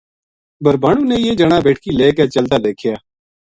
بھربھانو نے یہ جنا بیٹکی لے کے چلتا دیکھیا